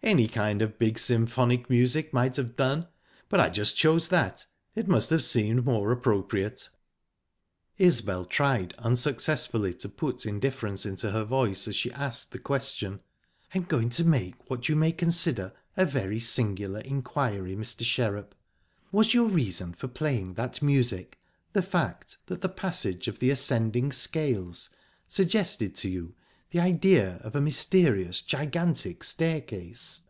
Any kind of big symphonic music might have done, but I just chose that it must have seemed more appropriate." Isbel tried unsuccessfully to put indifference into her voice as she asked the question: "I'm going to make what you may consider a very singular inquiry, Mr. Sherrup. Was your reason for playing that music the fact that the passage of the ascending scales suggested to you the idea of a mysterious gigantic staircase?"